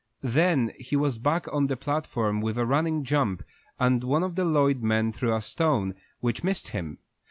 Then he was back on the platform with a running jump, and one of the Lloyd men threw a stone, which missed him.